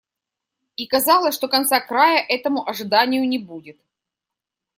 И казалось, что конца-края этому ожиданию не будет.